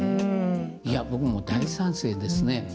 いや僕も大賛成ですね。